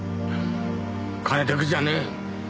金だけじゃねえ。